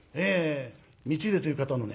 光秀という方のね